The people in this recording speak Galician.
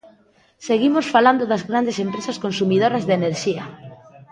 Seguimos falando das grandes empresas consumidoras de enerxía.